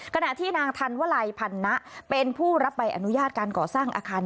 ขณะที่นางธันวลัยพันนะเป็นผู้รับใบอนุญาตการก่อสร้างอาคาร